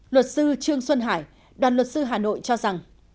luật sư trương xuân hải đoàn luật sư hà nội cho rằng